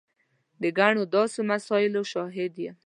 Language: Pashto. د ګڼو داسې مسایلو شاهد یم.